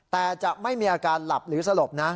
แต่จะไม่มีอาการหลับหรือสลบนะ